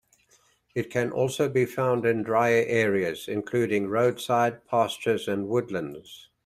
It can also be found in drier areas, including roadsides, pastures, and woodlands.